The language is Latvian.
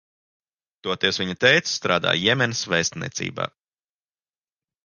Toties viņa tētis strādā Jemenas vēstniecībā.